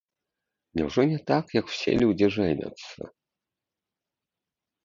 Няўжо не так, як усе людзі жэняцца?